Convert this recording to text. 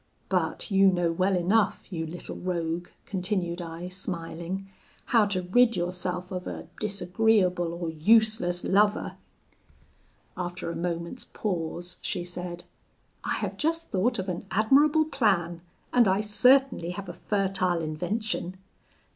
But you know well enough, you little rogue,' continued I, smiling, 'how to rid yourself of a disagreeable or useless lover!' After a moment's pause she said: 'I have just thought of an admirable plan, and I certainly have a fertile invention.